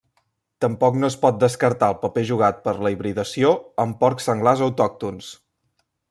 Tampoc no es pot descartar el paper jugat per la hibridació amb porcs senglars autòctons.